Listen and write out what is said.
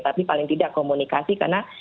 tapi paling tidak komunikasi karena